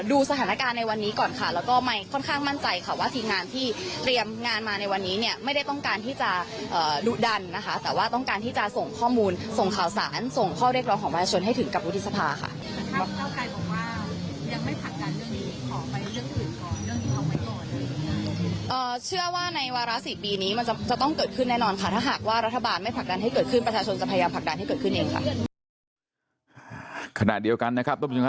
ว่าในวาระ๔ปีนี้มันจะต้องเกิดขึ้นแน่นอนถ้าหากว่ารัฐบาลไม่ผลักดันให้เกิดขึ้น